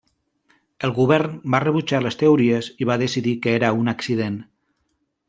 El govern va rebutjar les teories i va decidir que era un accident.